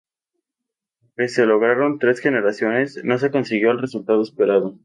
Aunque se lograron tres generaciones, no se consiguió el resultado esperado.